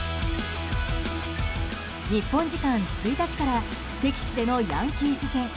日本時間１日から敵地でのヤンキース戦。